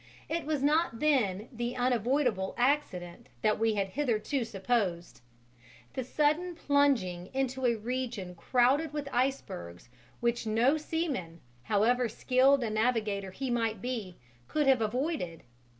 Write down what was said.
It was not then the unavoidable accident we had hitherto supposed: the sudden plunging into a region crowded with icebergs which no seaman, however skilled a navigator he might be, could have avoided!